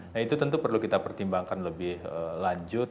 nah itu tentu perlu kita pertimbangkan lebih lanjut